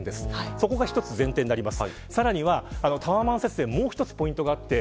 そこが一つ、前提になります。